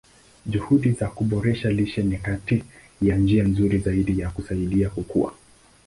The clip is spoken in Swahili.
Juhudi za kuboresha lishe ni kati ya njia nzuri zaidi za kusaidia kukua.